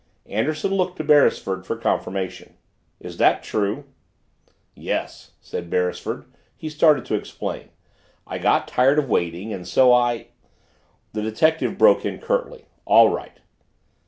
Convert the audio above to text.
Anderson looked to Beresford for confirmation. "Is that true?" "Yes," said Beresford. He started to explain. "I got tired of waiting and so I " The detective broke in curtly. "All right."